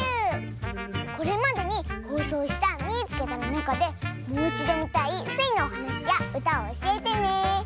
これまでにほうそうした「みいつけた！」のなかでもういちどみたいスイのおはなしやうたをおしえてね！